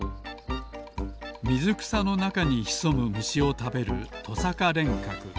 みずくさのなかにひそむむしをたべるトサカレンカク。